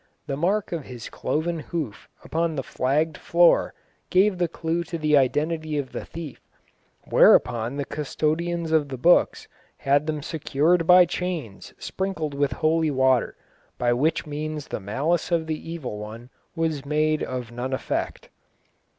The mark of his cloven hoof upon the flagged floor gave the clue to the identity of the thief, whereupon the custodians of the books had them secured by chains sprinkled with holy water, by which means the malice of the Evil One was made of none effect.